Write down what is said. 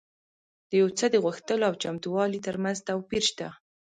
د يو څه د غوښتلو او چمتووالي ترمنځ توپير شته.